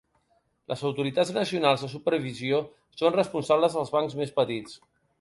Les autoritats nacionals de supervisió són responsables dels bancs més petits.